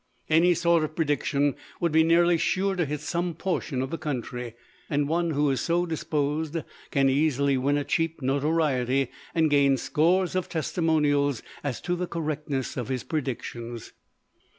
Any sort of prediction would be nearly sure to hit some portion of the country; and one who is so disposed can easily win a cheap notoriety and gain scores of testimonials as to the correctness of his predictions.